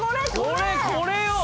これこれよ！